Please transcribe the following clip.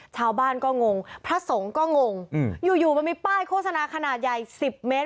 ชาวบ้านก็งงพระสงฆ์ก็งงอยู่มันมีป้ายโฆษณาขนาดใหญ่๑๐เมตร